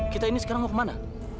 kita ini sekarang mau kemana